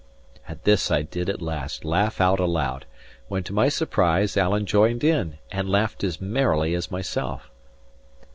At this I did at last laugh out aloud, when to my surprise, Alan joined in, and laughed as merrily as myself.